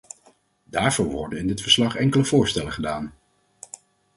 Daarvoor worden in dit verslag enkele voorstellen gedaan.